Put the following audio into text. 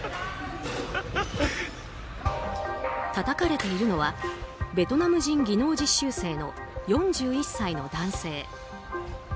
たたかれているのはベトナム人技能実習生の４１歳の男性。